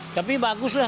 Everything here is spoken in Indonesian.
tapi bagus lah